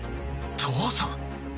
父さん？